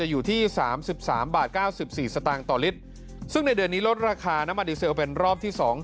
อยู่ที่๓๓บาท๙๔สตางค์ต่อลิตรซึ่งในเดือนนี้ลดราคาน้ำมันดีเซลเป็นรอบที่๒